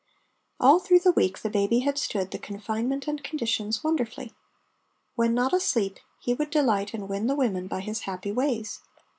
All through the week the baby had stood the confinement and conditions wonderfully. When not asleep he would delight and win the women by his happy ways.